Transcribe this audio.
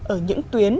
ở những tuyến